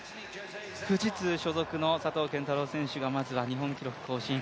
富士通所属の佐藤拳太郎選手がまずは日本記録更新。